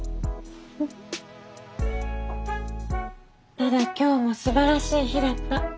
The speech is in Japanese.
ただ今日もすばらしい日だった。